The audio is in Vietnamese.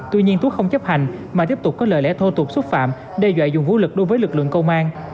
tuy nhiên tú không chấp hành mà tiếp tục có lời lẽ thô tục xúc phạm đe dọa dùng vũ lực đối với lực lượng công an